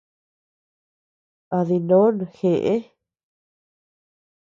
A dinon jeʼe.